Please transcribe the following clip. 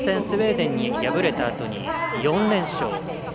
スウェーデンに敗れたあとに４連勝。